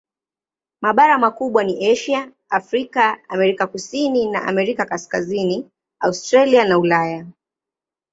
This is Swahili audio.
Mabara makubwa ni Asia, Afrika, Amerika Kusini na Amerika Kaskazini, Australia na Ulaya.